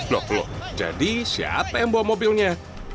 loh jadi siapa yang bawa mobilnya